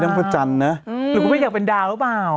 ทั้งพระจันทร์นะอืมรู้ทำไมมันเป็นดาวหรือเปล่า